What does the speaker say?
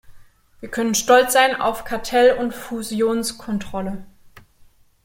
Wir können stolz sein auf Kartellund Fusionskontrolle.